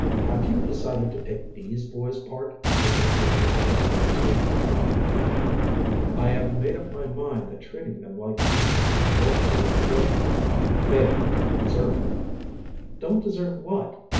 "Have you decided to take these boys' part?" ejaculated Arnold Baxter, turning pale. "I have made up my mind that treating them like beasts won't do any good." "They don't deserve it." "Don't deserve what?"